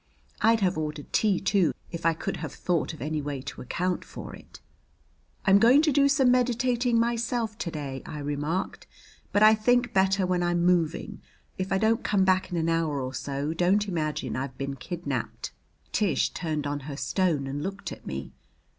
I'd have ordered tea, too, if I could have thought of any way to account for it. "I'm going to do some meditating myself to day," I remarked, "but I think better when I'm moving. If I don't come back in an hour or so don't imagine I've been kidnaped." Tish turned on her stone and looked at me.